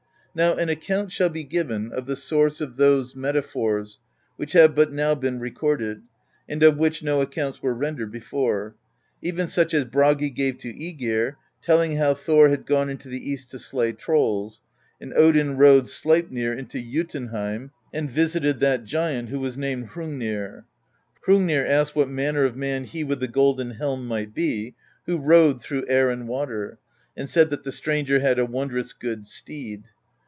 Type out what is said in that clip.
"Now an account shall be given of the source of those metaphors which have but now been recorded, and of which no accounts were rendered before: even such as Bragi gave to ^gir, telling how Thor had gone into the east to slay trolls, and Odin rode Sleipnir into Jotunheim and visited that giant who was named Hrungnir. Hrungnir asked what manner of man he with the golden helm might be, who rode through air and water; and said that the stranger had a wondrous good steed.